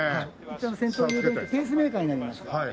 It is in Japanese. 一応先頭誘導員ペースメーカーになります。